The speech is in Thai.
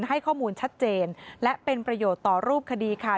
ให้ข้อมูลชัดเจนและเป็นประโยชน์ต่อรูปคดีค่ะ